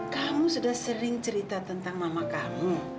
kamu sudah sering cerita tentang mama kamu